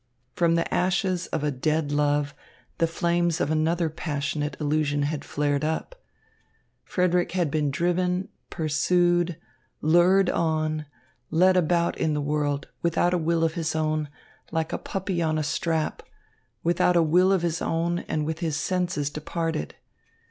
From the ashes of a dead love, the flames of another passionate illusion had flared up. Frederick had been driven, pursued, lured on, led about in the world, without a will of his own, like a puppy on a strap without a will of his own and with his senses departed.